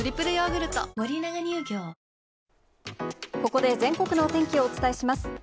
ここで全国のお天気をお伝えします。